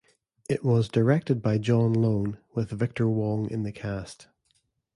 It was directed by John Lone, with Victor Wong in the cast.